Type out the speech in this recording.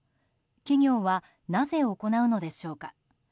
企業は、なぜ行うのでしょうか。